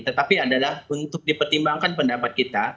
tetapi adalah untuk dipertimbangkan pendapat kita